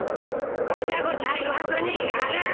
ごちゃごちゃ言わずにやる！